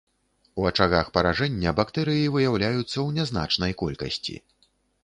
У ачагах паражэння бактэрыі выяўляюцца ў нязначнай колькасці.